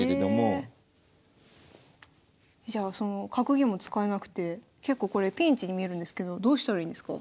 じゃあその格言も使えなくて結構これピンチに見えるんですけどどうしたらいいんですか？